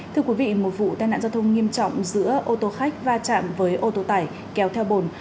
thưa quý vị một vụ tai nạn giao thông nghiêm trọng giữa ô tô khách va chạm với ô tô tải kéo theo bồn